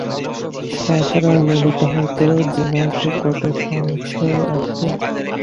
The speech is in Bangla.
তা ছাড়া ললিতা হয়তো বিনয়কে– কত সংশয় আছে।